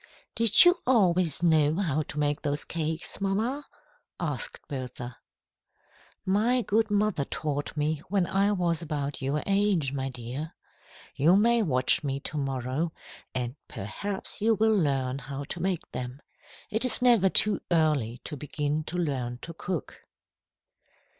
"Did you always know how to make those cakes, mamma?" asked Bertha. "My good mother taught me when I was about your age, my dear. You may watch me to morrow, and perhaps you will learn how to make them. It is never too early to begin to learn to cook."